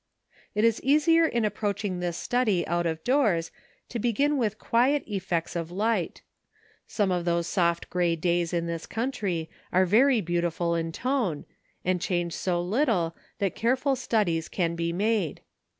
It is easier in approaching this study out of doors to begin with quiet effects of light. Some of those soft grey days in this country are very beautiful in tone, and change so little that careful studies can be made.